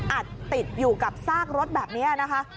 อัดติดอยู่กับซากรถแบบนี้นะคะ